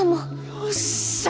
よっしゃ！